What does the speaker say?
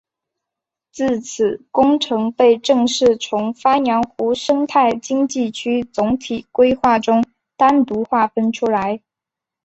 自此工程被正式从鄱阳湖生态经济区总体规划中单独划分出来。